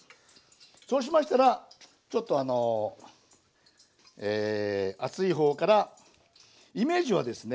そうしましたらちょっとあのえ厚い方からイメージはですね